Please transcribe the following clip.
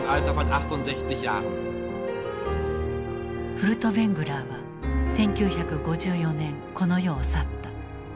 フルトヴェングラーは１９５４年この世を去った。